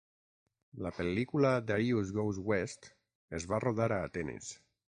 La pel·lícula "Darius Goes West" es va rodar a Atenes.